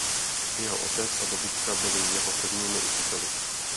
Jeho otec a babička byli jeho prvními učiteli.